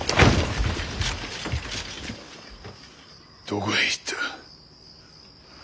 どこへ行った。